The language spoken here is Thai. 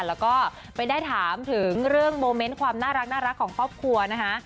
แล้วก็ไปได้ถามถึงเรื่องโมเมนต์ความน่ารักของครอบครัวนะคะ